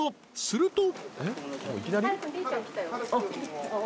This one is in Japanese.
［すると］